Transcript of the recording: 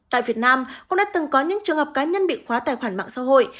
tại việt nam cũng đã từng có những trường hợp cá nhân bị khóa tài khoản mạng xã hội